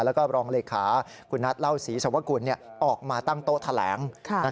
แล้วก็รองเลขาคุณนัทเล่าศรีสวกุลออกมาตั้งโต๊ะแถลง